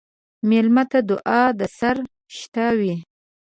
مېلمه ته دعا درسره شته وي.